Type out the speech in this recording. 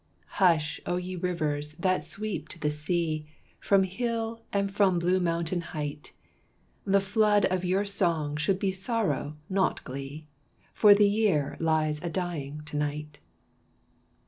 Hush, O ye rivers that sweep to the sea, From hill and from blue mountain height; The flood of your song should be sorrow, not glee, For the year lies a dying to night.